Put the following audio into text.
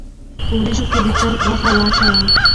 په وريژو کښې د چرګ غوښه واچوه